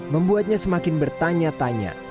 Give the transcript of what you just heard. membuatnya semakin bertanya tanya